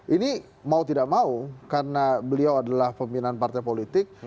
ini mau tidak mau karena beliau adalah pembinaan partai politik